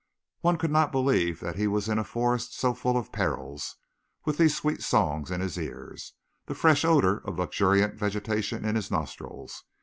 One could not believe that he was in a forest so full of perils, with these sweet songs in his ears, the fresh odors of luxuriant vegetation in his nostrils.